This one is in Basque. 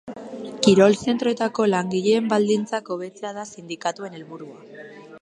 Kirol zentroetako langileen baldintzak hobetzea da sindikatuen helburua.